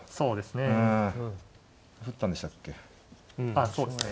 ああそうですね。